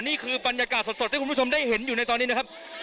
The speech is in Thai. นี่คือบรรยากาศสดที่คุณผู้ชมได้เห็นอยู่ในตอนนี้นะครับ